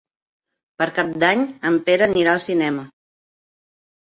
Per Cap d'Any en Pere anirà al cinema.